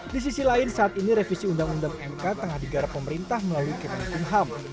di sisi lain saat ini revisi undang undang mk tengah digarap pemerintah melalui kemenkumham